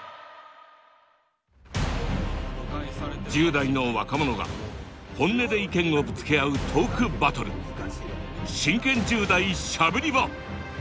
１０代の若者が本音で意見をぶつけ合うトークバトル「真剣１０代しゃべり場」。